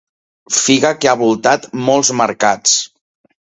Figa que ha voltat molts mercats.